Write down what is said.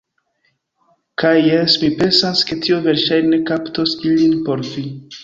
Kaj... jes, mi pensas ke tio verŝajne kaptos ilin por vi.